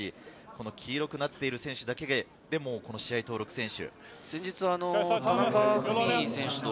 黄色くなっている選手がこの試合登録選手。